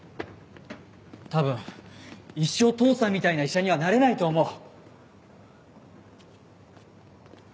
多分一生父さんみたいな医者にはなれないと思う。